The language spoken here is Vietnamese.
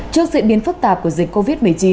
trước diễn biến phức tạp của dịch covid một mươi chín